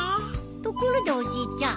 ところでおじいちゃん。